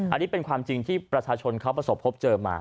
อันนี้เป็นความจริงที่ประชาชนเขาประสบพบเจอมา